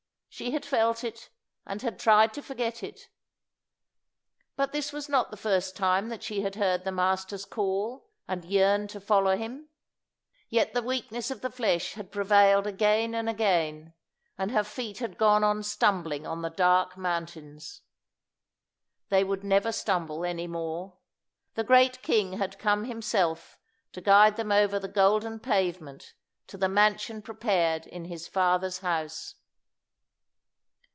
She had felt it, and had tried to forget it. But this was not the first time that she had heard the Master's call, and yearned to follow Him. Yet the weakness of the flesh had prevailed again and again, and her feet had gone on stumbling on the dark mountains. They would never stumble any more. The great King had come Himself to guide them over the golden pavement to the mansion prepared in His Father's house.